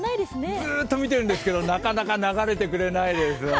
ずっと見てるんですけど、なかなか流れてくれないですよね。